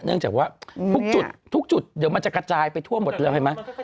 เนื่องจากว่าทุกจุดทุกจุดเดี๋ยวมันจะกระจายไปทั่วหมดแล้วเห็นไหม